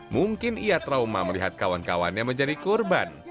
mungkin ia trauma melihat kawan kawannya menjadi korban